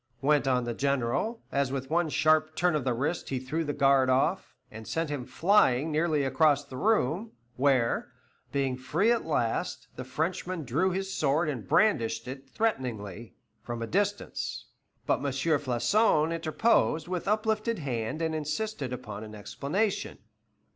went on the General, as with one sharp turn of the wrist he threw the guard off, and sent him flying nearly across the room, where, being free at last, the Frenchman drew his sword and brandished it threateningly from a distance. But M. Floçon interposed with uplifted hand and insisted upon an explanation.